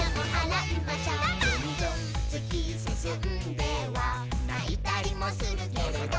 「ないたりもするけれど」